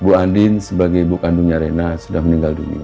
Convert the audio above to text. bu andin sebagai ibu kandungnya rena sudah meninggal dunia